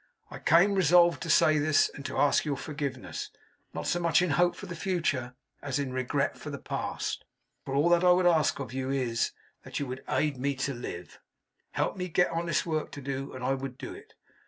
I came resolved to say this, and to ask your forgiveness; not so much in hope for the future, as in regret for the past; for all that I would ask of you is, that you would aid me to live. Help me to get honest work to do, and I would do it.